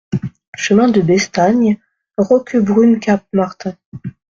Chemin de Bestagne, Roquebrune-Cap-Martin